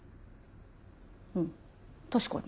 うん確かに。